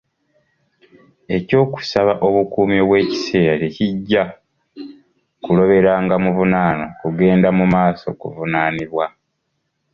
Eky'okusaba obukuumi obw'ekiseera tekijja kuloberanga muvunaanwa kugenda mu maaso kuvunaanibwa.